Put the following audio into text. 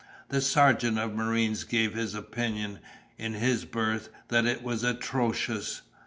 The sergeant of marines gave his opinion, in his berth, that it was atrocious.